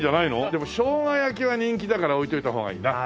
でもしょうが焼きは人気だから置いておいた方がいいな。